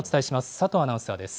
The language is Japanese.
佐藤アナウンサーです。